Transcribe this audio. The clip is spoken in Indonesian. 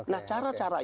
nah cara cara itu